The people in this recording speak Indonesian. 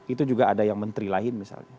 itu juga ada yang menteri lain misalnya